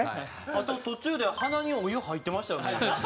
あと途中で鼻にお湯入ってましたよね。